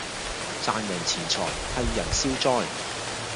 賺人錢財替人消災